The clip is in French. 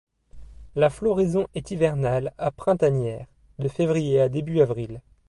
La floraison est hivernale à printanière : de février à début avril.